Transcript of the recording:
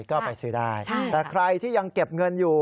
ก็ไปซื้อได้แต่ใครที่ยังเก็บเงินอยู่